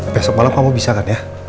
besok malam kamu bisa kan ya